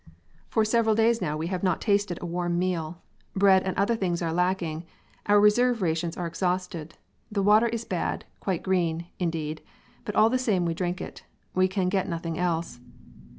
"For several days now we have not tasted a warm meal; bread and other things are lacking; our reserve rations are exhausted. The water is bad, quite green, indeed; but all the same we drink it we can get nothing else.